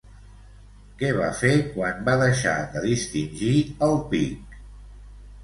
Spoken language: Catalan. Què va fer quan va deixar de distingir el pic?